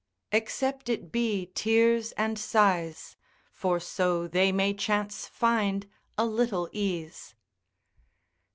Except it be tears and sighs, for so they may chance find a little ease.